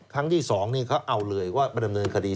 ครั้งที่๒นี่เขาเอาเลยว่ามาดำเนินคดี